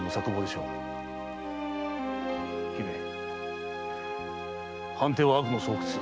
姫藩邸は悪の巣窟。